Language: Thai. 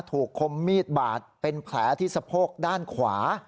คมมีดบาดเป็นแผลที่สะโพกด้านขวา